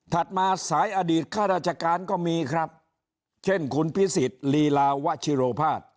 มาสายอดีตข้าราชการก็มีครับเช่นคุณพิสิทธิ์ลีลาวะชิโรภาษ